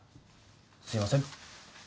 すいません。